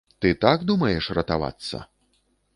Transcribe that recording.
Ты так думаеш ратавацца?